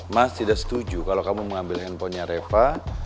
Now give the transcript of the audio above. mas tidak setuju kalau kamu mengambil handphonenya reva